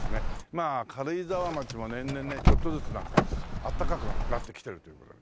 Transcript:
まあ軽井沢町も年々ねちょっとずつ暖かくなってきてるという事で。